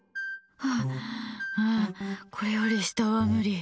これより下は無理。